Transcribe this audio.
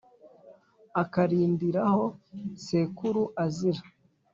akarindirahó sekúru azira